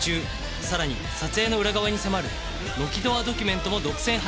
さらに撮影の裏側に迫る「ノキドアドキュメント」も独占配信